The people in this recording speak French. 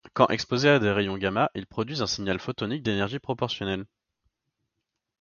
Quand exposés à des rayons gammas, ils produisent un signal photonique d’énergie proportionnelle.